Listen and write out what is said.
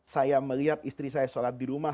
saya melihat istri saya sholat di rumah